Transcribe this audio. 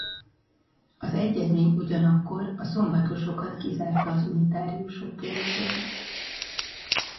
Az egyezmény ugyanakkor a szombatosokat kizárta az unitáriusok köréből.